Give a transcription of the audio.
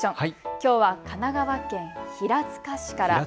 きょうは神奈川県平塚市から。